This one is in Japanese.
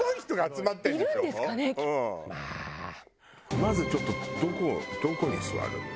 まずちょっとどこに座る？